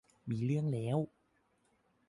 มีเรื่องแล้ว